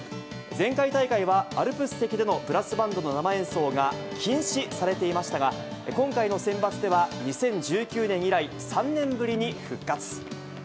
前回大会は、アルプス席でのブラスバンドの生演奏が禁止されていましたが、今回のセンバツでは、２０１９年以来３年ぶりに復活。